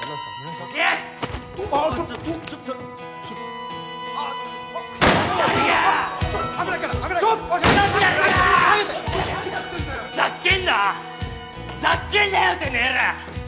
ざっけんなよてめぇら。